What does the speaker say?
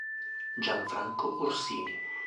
Gianfranco Orsini